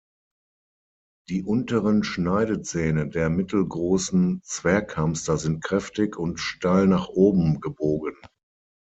Die unteren Schneidezähne der Mittelgroßen Zwerghamster sind kräftig und steil nach oben gebogen.